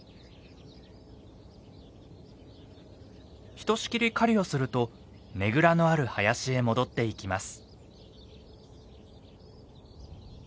ひとしきり狩りをするとねぐらのある林へ戻っていきます。